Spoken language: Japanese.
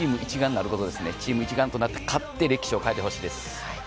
チーム一丸となって勝って歴史を変えてほしいです。